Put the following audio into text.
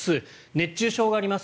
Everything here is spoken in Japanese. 熱中症があります。